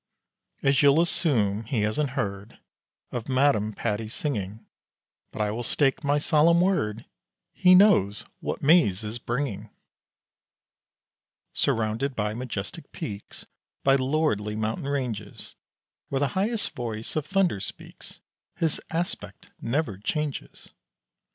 As you'll assume, he hasn't heard Of Madame Patti's singing; But I will stake my solemn word He knows what maize is bringing. Surrounded by majestic peaks, By lordly mountain ranges, Where highest voice of thunder speaks His aspect never changes.